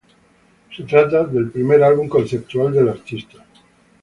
Se trata del primer álbum conceptual del artista.